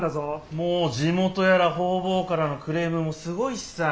もう地元やら方々からのクレームもすごいしさ